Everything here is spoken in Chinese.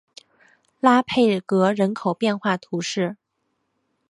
拉佩格人口变化图示